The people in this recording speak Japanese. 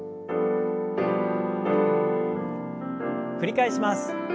繰り返します。